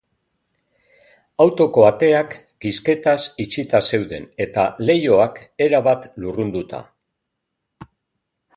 Autoko ateak kisketaz itxita zeuden eta leihoak erabat lurrunduta.